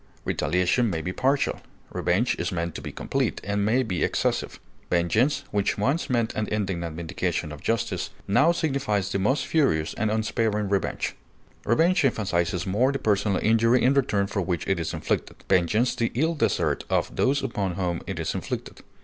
Retaliation may be partial; revenge is meant to be complete, and may be excessive. Vengeance, which once meant an indignant vindication of justice, now signifies the most furious and unsparing revenge. Revenge emphasizes more the personal injury in return for which it is inflicted, vengeance the ill desert of those upon whom it is inflicted.